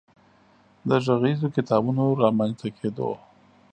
د غږیزو کتابونو رامنځ ته کېدو